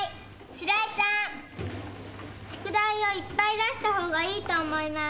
・シライさん・宿題をいっぱい出した方がいいと思います。